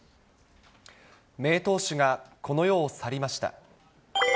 名投手がこの世を去りました。